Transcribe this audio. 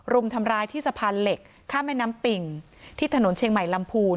รุมทำร้ายที่สะพานเหล็กข้ามแม่น้ำปิ่งที่ถนนเชียงใหม่ลำพูน